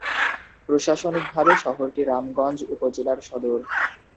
প্রশাসনিকভাবে শহরটি রামগঞ্জ উপজেলার সদর।